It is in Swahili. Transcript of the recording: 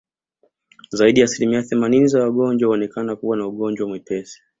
Zaidi ya asilimia themanini za wagonjwa huonekana kuwa na ugonjwa mwepesi